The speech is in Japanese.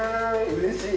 うれしい。